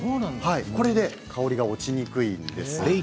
これで香りが落ちにくいんです。